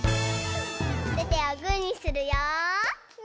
おててをグーにするよ。